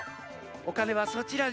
おかねはそちらに。